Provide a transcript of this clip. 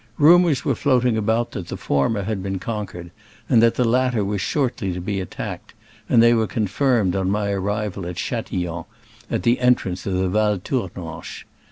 Rumors were floating about that the former had been conquered, and that the latter was shortly to be at tacked, and they were confirmed on my arrival at Chatillon, at the entrance of the Val Tournanche.